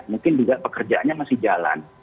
mungkin juga pekerjaannya masih jalan